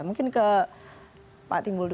mungkin ke pak timbul dulu